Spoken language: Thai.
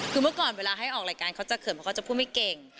คือเมื่อก่อนเวลาให้ออกรายการเขาจะเขินเพราะเขาจะพูดไม่เก่ง